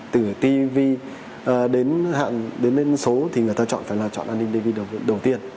từ tv đến hạn đến số thì người ta chọn phải là chọn an ninh tv đầu tiên